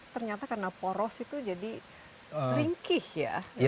ternyata karena poros itu jadi ringkih ya